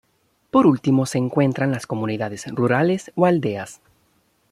Por último, se encuentran las comunidades rurales o aldeas.